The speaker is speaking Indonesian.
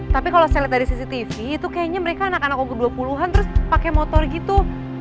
tapi kalau saya lihat dari cctv itu kayaknya mereka anak anak umur dua puluh an terus pakai motor gitu